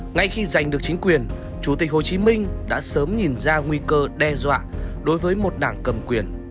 ngay khi giành được chính quyền chủ tịch hồ chí minh đã sớm nhìn ra nguy cơ đe dọa đối với một đảng cầm quyền